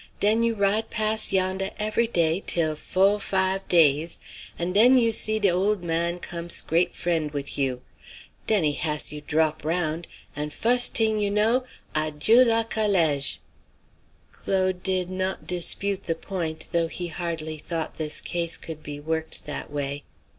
Den you ride pas' yondah every day till fo', five days, and den you see de ole man come scrape friend wid you. Den he hass you drop round, and fus' t'ing you know adjieu la calége!" Claude did not dispute the point, though he hardly thought this case could be worked that way.